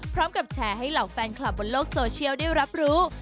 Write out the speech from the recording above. พร้อมกับแชร์ให้เหล่าแฟนคลับบนโลกโซเชียลได้รับรู้